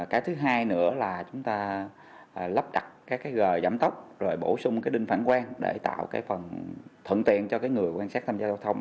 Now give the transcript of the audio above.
cái thứ hai nữa là chúng ta lắp đặt gờ giảm tốc bổ sung đinh phản quan để tạo phần thuận tiện cho người quan sát tham gia giao thông